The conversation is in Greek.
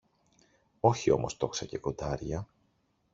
όχι όμως τόξα και κοντάρια.